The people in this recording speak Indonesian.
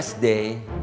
selamat hari nanti